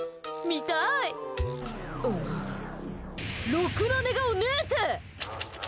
ろくな寝顔ねえって！